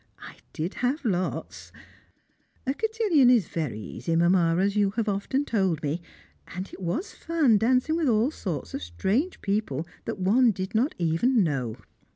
I did have lots! A cotillon is very easy, Mamma, as you have often told me, and it was fun dancing with all sorts of strange people that one did not even know.